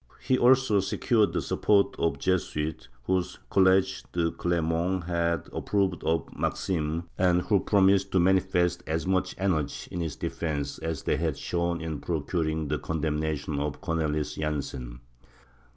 He also secured the support of the Jesuits, whose College de Clermont had approved of the Maximes, and who promised to manifest as much energy in his defence as they had shown in procuring the condemnation of Cornelis Jansen.